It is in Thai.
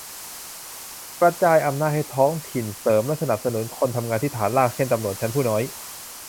- กระจายอำนาจให้ท้องถิ่น-เสริมและสนับสนุนคนทำงานที่ฐานราก เช่น ตำรวจชั้นผู้น้อย